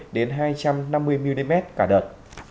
đến hai trăm năm mươi mm cả đợt